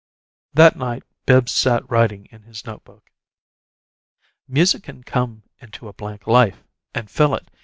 That night, Bibbs sat writing in his note book. Music can come into a blank life, and fill it.